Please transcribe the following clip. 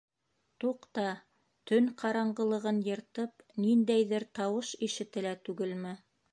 Туҡта, төн ҡараңғылығын йыртып, ниндәйҙер тауыш ишетелә түгелме?